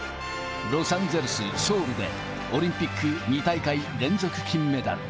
ロサンゼルス、ソウルでオリンピック２大会連続金メダル。